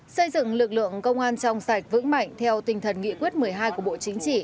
xây dựng lực lượng công an trong sạch vững mạnh theo tinh thần nghị quyết một mươi hai của bộ chính trị